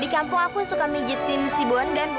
di kampung aku suka mijetin si bondan